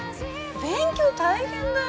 勉強大変だよ